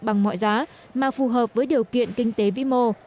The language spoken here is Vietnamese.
bằng mọi giá mà phù hợp với điều kiện kinh tế vĩ mô